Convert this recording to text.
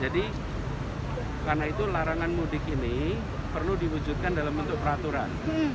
jadi karena itu larangan mudik ini perlu diwujudkan dalam bentuk peraturan